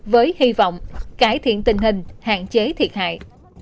với hy vọng cải thiện tình hình hạn chế thiệt hại